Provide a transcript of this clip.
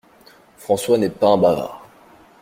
François n’est pas un bavard.